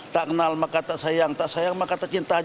tak kenal maka tak sayang tak sayang maka kecintaannya